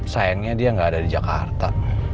sayangnya dia nggak ada di jakarta